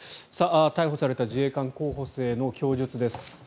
逮捕された自衛官候補生の供述です。